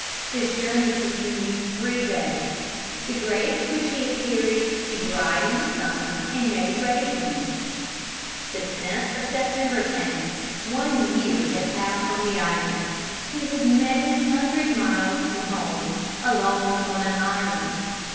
This journey continued three days. The grapes which he had carried he dried in the sun and made raisins. The 10th of September came, one year had passed on the island. He was many hundred miles from home, alone on an island.